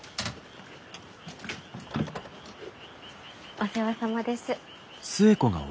お世話さまです。